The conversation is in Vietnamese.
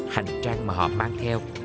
hành trang mà họ mang theo